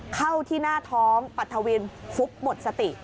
เข้าที่หน้าท้องปัทวินฟุบหมดสติ